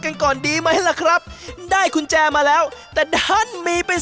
แต่งานนี้เราไม่ได้วัดกันที่ความเร็วในการเจอกัน